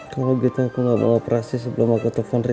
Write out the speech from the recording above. kalau gitu aku gak mau operasi sebelum aku telepon